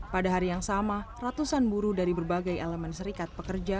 pada hari yang sama ratusan buruh dari berbagai elemen serikat pekerja